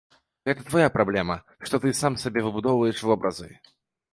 Гэта твая праблема, што ты сам сабе выбудоўваеш вобразы.